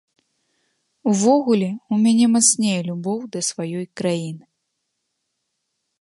Увогуле, у мяне мацнее любоў да сваёй краіны.